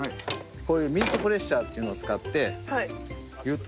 こういうミートプレッシャーっていうのを使ってギュッと。